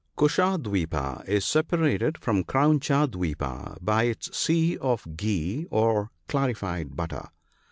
157 Kusha dwipa is separated from Krauncha dwipa by its sea of ghee, or clarified butter.